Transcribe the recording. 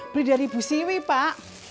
beli dari ibu siwi pak